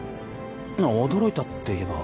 驚いたっていえば。